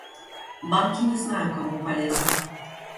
Банки не знаю кому полезны.